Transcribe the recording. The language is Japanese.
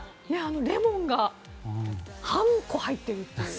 レモンが半個入っているという。